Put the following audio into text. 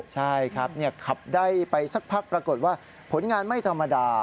ใช่ครับขับได้ไปสักพักปรากฏว่าผลงานไม่ธรรมดา